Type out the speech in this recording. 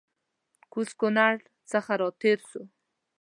کوز کونړ څخه راتېر سوو